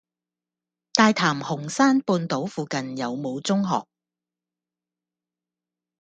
大潭紅山半島附近有無中學？